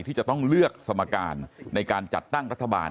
ที่จะต้องเลือกสมการในการจัดตั้งรัฐบาล